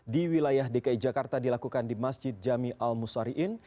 di wilayah dki jakarta dilakukan di masjid jami al musariin ⁇